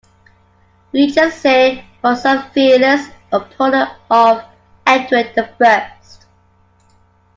Winchelsey was a fearless opponent of Edward the First.